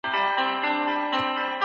هیوادونه څنګه د خبرو له لاري شخړي حلوي؟